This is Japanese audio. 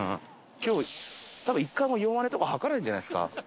今日多分１回も弱音とか吐かないんじゃないですか？